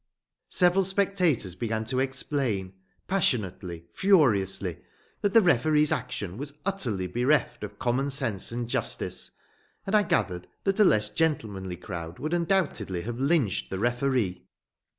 Several spectators began to explain, passionately, furiously, that the referee's action was utterly bereft of common sense and justice; and I gathered that a less gentlemanly crowd would undoubtedly have lynched the referee.